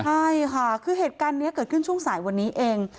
ใช่ค่ะคือเหตุการณ์นี้เกิดขึ้นช่วงสายวันนี้เอง